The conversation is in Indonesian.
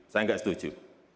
saya gak setuju